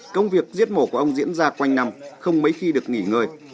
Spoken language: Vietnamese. công việc giết mổ của ông diễn ra quanh năm không mấy khi được nghỉ ngơi